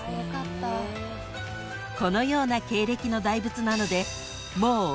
［このような経歴の大仏なので］